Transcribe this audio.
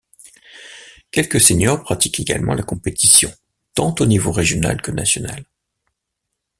Quelques seniors pratiquent également la compétition tant au niveau régional que national.